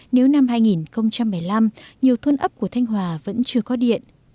nếu năm hai nghìn bảy mươi năm nhiều thôn ấp của thành hòa vẫn chưa có điện